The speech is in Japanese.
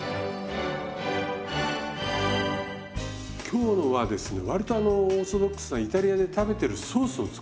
今日のはですね割とあのオーソドックスなイタリアで食べてるソースを作ります。